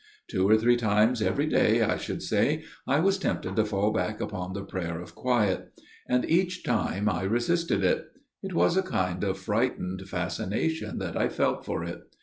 Two or three times every day, I should say, I was tempted to fall back upon the Prayer of Quiet ; and each time I resisted it. It was a kind of frightened fascination that I felt for it.